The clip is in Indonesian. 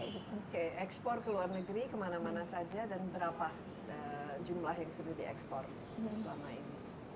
oke ekspor ke luar negeri kemana mana saja dan berapa jumlah yang sudah diekspor selama ini